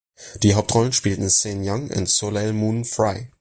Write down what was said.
Die Hauptrollen spielten Sean Young und Soleil Moon Frye.